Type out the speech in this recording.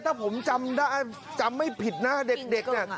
ถ้าผมจำได้จำไม่ผิดนะเด็กเนี่ย